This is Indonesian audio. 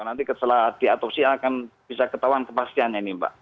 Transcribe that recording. nanti setelah diatopsi akan bisa ketahuan kepastiannya ini mbak